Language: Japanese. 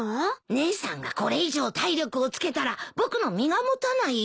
姉さんがこれ以上体力をつけたら僕の身が持たないよ。